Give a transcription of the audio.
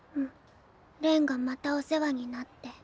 れんがまたお世話になって。